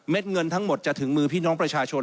เงินทั้งหมดจะถึงมือพี่น้องประชาชน